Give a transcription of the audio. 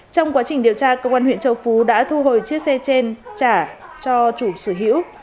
trong quá trình điều tra cơ quan huyện châu phú đã thu hồi chiếc xe trên trả cho chủ sử hữu